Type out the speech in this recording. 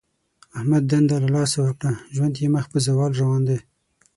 احمد دنده له لاسه ورکړه. ژوند یې مخ په زوال روان دی.